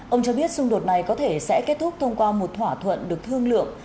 ông cho biết xung đột này có thể sẽ kết thúc thông qua một thỏa thuận được thương lượng